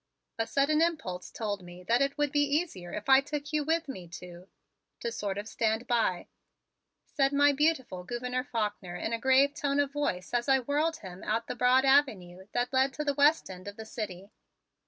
A sudden impulse told me that it would be easier if I took you with me to to sort of stand by," said my beautiful Gouverneur Faulkner in a grave tone of voice as I whirled him out the broad avenue that led to the west end of the city.